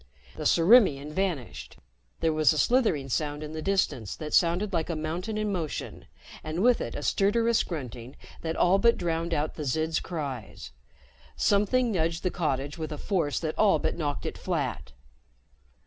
The Ciriimian vanished. There was a slithering sound in the distance that sounded like a mountain in motion, and with it a stertorous grunting that all but drowned out the Zid's cries. Something nudged the cottage with a force that all but knocked it flat.